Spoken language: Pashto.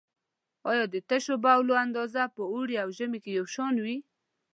آیا د تشو بولو اندازه په اوړي او ژمي کې یو شان وي؟